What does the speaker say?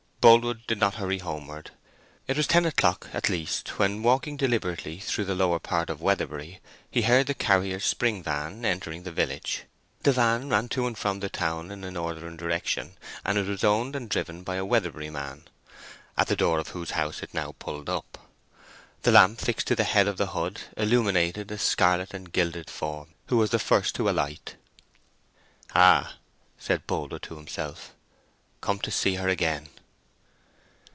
Boldwood did not hurry homeward. It was ten o'clock at least, when, walking deliberately through the lower part of Weatherbury, he heard the carrier's spring van entering the village. The van ran to and from a town in a northern direction, and it was owned and driven by a Weatherbury man, at the door of whose house it now pulled up. The lamp fixed to the head of the hood illuminated a scarlet and gilded form, who was the first to alight. "Ah!" said Boldwood to himself, "come to see her again."